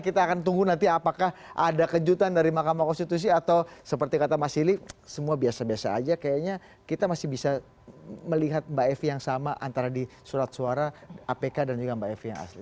kita akan tunggu nanti apakah ada kejutan dari mahkamah konstitusi atau seperti kata mas ili semua biasa biasa aja kayaknya kita masih bisa melihat mbak evi yang sama antara di surat suara apk dan juga mbak evi yang asli